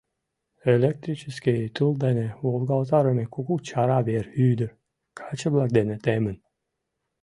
Электрический тул дене волгалтарыме кугу чара вер ӱдыр, каче-влак дене темын.